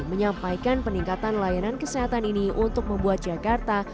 menyampaikan peningkatan layanan kesehatan ini untuk membuat jakarta